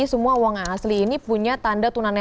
semua uang asli ini punya tanda tunanetik